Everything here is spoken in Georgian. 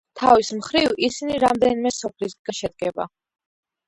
თავის მხრივ ისინი რამდენიმე სოფლისგან შედგება.